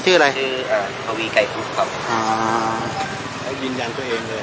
ชื่อทวีไก่ฟุกครับ